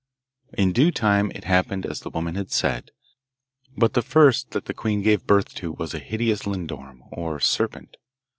In due time it happened as the woman had said; but the first that the queen gave birth to was a hideous lindorm, or serpent.